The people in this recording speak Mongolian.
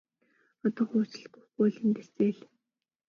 Одоохон уучлалт гуйхгүй бол эндээс зайл!